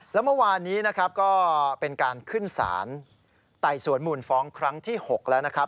แล้วเมื่อวานนี้นะครับก็เป็นการขึ้นสารไต่สวนมูลฟ้องครั้งที่๖แล้วนะครับ